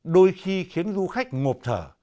đôi khi khiến du khách ngộp thở